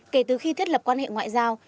kể từ khi thiết lập quan hệ ngoại giao